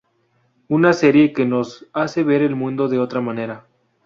Una serie que nos hace ver el mundo de otra manera.